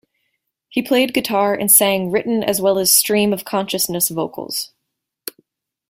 He played guitar and sang written as well as stream of consciousness vocals.